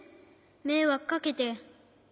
めいわくかけて。